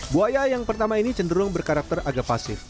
buaya yang pertama ini cenderung berkarakter agak pasif